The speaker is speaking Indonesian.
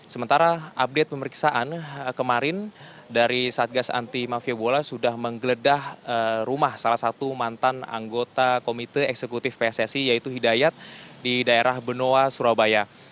sementara update pemeriksaan kemarin dari satgas anti mafia bola sudah menggeledah rumah salah satu mantan anggota komite eksekutif pssi yaitu hidayat di daerah benoa surabaya